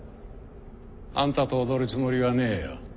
あんたと踊るつもりはねえよ。